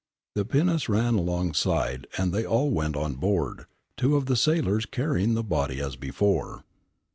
The pinnace ran alongside and they all went on board, two of the sailors carrying the body as before.